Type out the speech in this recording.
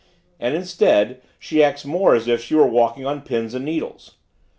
"And instead she acts more as if she were walking on pins and needles.